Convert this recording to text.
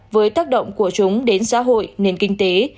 với tác động của chúng đến xã hội nền kinh tế